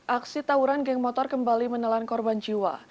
aksi tawuran geng motor kembali menelan korban jiwa